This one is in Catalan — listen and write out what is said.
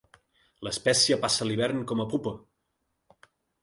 L'espècie passa l'hivern com a pupa.